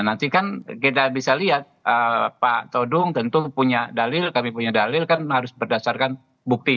nanti kan kita bisa lihat pak todung tentu punya dalil kami punya dalil kan harus berdasarkan bukti